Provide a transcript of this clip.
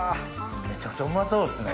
めちゃくちゃうまそうっすね。